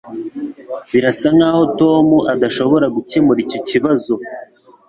Birasa nkaho Tom adashobora gukemura icyo kibazo.